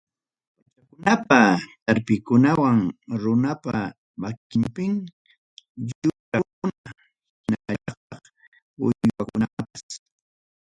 pachakunapa tarpuykunam runapa makinpim yurakuna hinallataq uywakunapas.